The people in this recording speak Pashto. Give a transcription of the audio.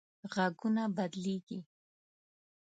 غږونه بدلېږي